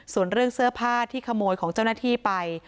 ส่วนเรื่องเสื้อผ้าที่ขโมยของเจ้าหน้าที่ไป